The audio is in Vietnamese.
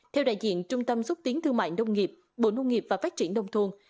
theo đại diện trung tâm xúc tiến thương mại nông nghiệp bộ nông nghiệp và phát triển đông thuôn